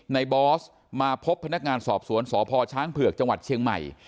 บอสมาพบพนักงานสอบสวนสพช้างเผือกจังหวัดเชียงใหม่